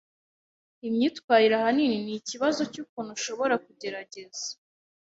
Imyitwarire ahanini ni ikibazo cyukuntu ushobora kugerageza.